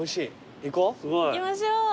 行きましょう。